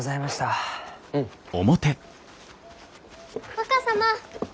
若様！